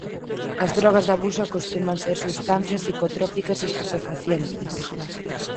As drogas de abuso acostuman ser substancias psicótropas e estupefacientes.